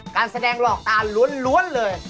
การแสดงหลอกตาล้วนเลย